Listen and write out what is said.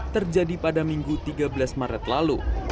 terjadi pada minggu tiga belas maret lalu